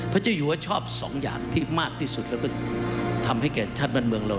เจ้าอยู่ว่าชอบสองอย่างที่มากที่สุดแล้วก็ทำให้แก่ชาติบ้านเมืองเรา